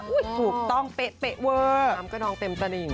ถูกต้องเป๊ะเวอร์น้ำกระนองเต็มตลิ่ง